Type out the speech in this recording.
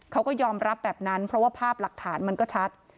เขาก็ยอมรับแบบนั้นเพราะว่าภาพหลักฐานมันก็ชัด